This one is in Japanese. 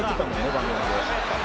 番組で」